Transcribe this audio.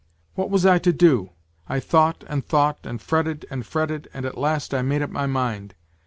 " What was I to do ? Tjthjnnghtr nnd_thoughl and fretted and fretted, and at last I made up my mind.